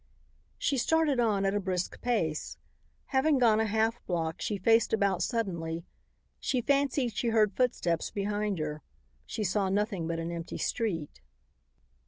She started on at a brisk pace. Having gone a half block she faced about suddenly; she fancied she heard footsteps behind her. She saw nothing but an empty street.